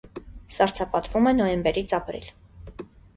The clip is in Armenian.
Սառցապատվում է նոյեմբերից ապրիլ։